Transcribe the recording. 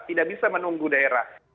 tidak bisa menunggu daerah